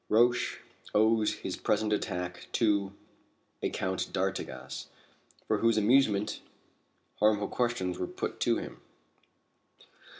Roch owes his present attack to a Count d'Artigas, for whose amusement harmful questions were put to him."